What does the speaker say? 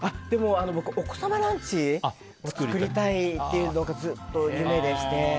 僕、お子様ランチを作りたいっていうのがずっと夢でして。